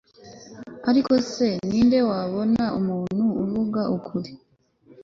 ariko se ni nde wabona umuntu uvuga ukuri